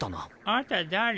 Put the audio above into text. あんた誰？